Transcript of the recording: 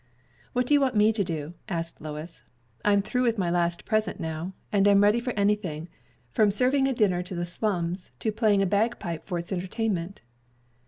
"What do you want me to do?" asked Lois. "I'm through with my last present now, and am ready for anything, from serving a dinner to the slums to playing a bagpipe for its entertainment."